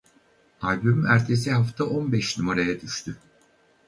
Albüm ertesi hafta on beş numaraya düştü.